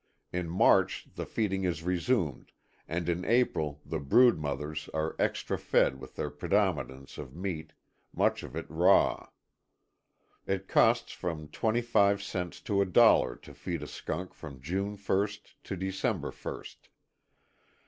In March the feeding is resumed and in April the brood mothers are extra fed with a preponderance of meat, much of it raw. It costs from twenty five cents to a dollar to feed a skunk from June first to December first.